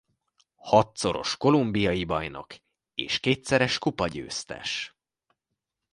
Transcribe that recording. Hatszoros kolumbiai bajnok és kétszeres kupagyőztes.